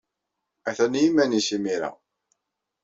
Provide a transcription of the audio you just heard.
Atan i yiman-nnes imir-a.